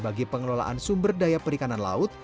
bagi pengelolaan sumber daya perikanan laut